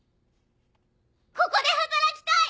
ここで働きたい！